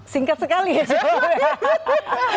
singkat sekali ya